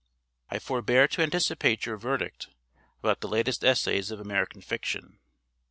I forbear to anticipate your verdict about the latest essays of American fiction.